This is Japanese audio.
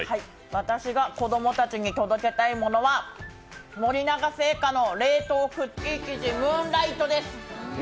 私が子ども達に届けたいものは森永製菓の冷凍クッキー生地ムーンライトです。